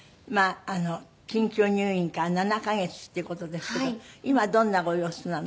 緊急入院から７カ月っていう事ですけど今どんなご様子なの？